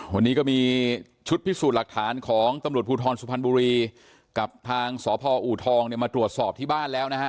วันนี้ก็มีชุดพิสูจน์หลักฐานของตำรวจภูทรสุพรรณบุรีกับทางสพอูทองเนี่ยมาตรวจสอบที่บ้านแล้วนะฮะ